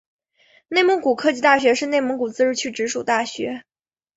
内蒙古科技大学是内蒙古自治区直属大学。